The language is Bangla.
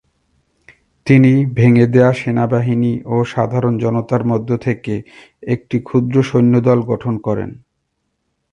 তিনি ভেঙ্গে দেয়া সেনাবাহিনী ও সাধারণ জনতার মধ্য থেকে একটি ক্ষুদ্র সৈন্যদল গঠন করেন।